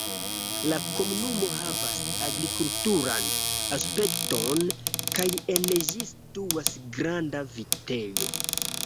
La komunumo havas agrikulturan aspekton kaj en ĝi situas granda vitejo.